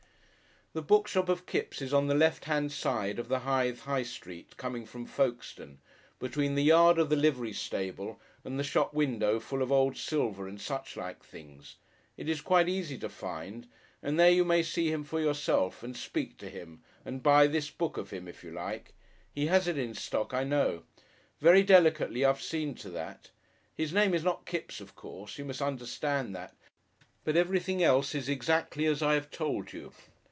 The bookshop of Kipps is on the left hand side of the Hythe High Street coming from Folkestone, between the yard of the livery stable and the shop window full of old silver and such like things it is quite easy to find and there you may see him for yourself and speak to him and buy this book of him if you like. He has it in stock, I know. Very delicately I've seen to that. His name is not Kipps, of course, you must understand that, but everything else is exactly as I have told you.